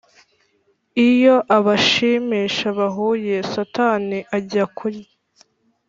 iyo abashimisha bahuye, satani ajya kurya.